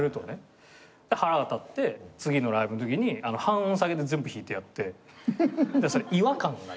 腹が立って次のライブのときに半音下げで全部弾いてやって違和感が。